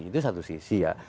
itu satu sisi ya